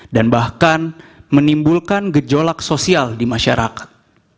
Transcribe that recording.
dan bahkan menimbulkan gejolak sosial di masyarakat